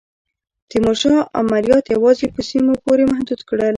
تیمورشاه عملیات یوازي په سیمو پوري محدود کړل.